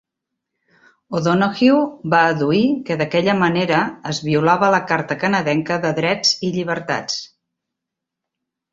O'Donohue va adduir que d'aquella manera es violava la carta canadenca de drets i llibertats.